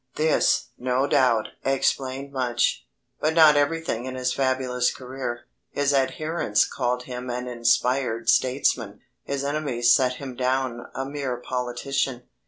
This, no doubt, explained much; but not everything in his fabulous career. His adherents called him an inspired statesman; his enemies set him down a mere politician.